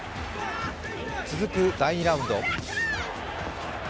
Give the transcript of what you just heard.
続く第２ラウンド。